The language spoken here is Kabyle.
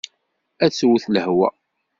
Ad tewwet lehwa.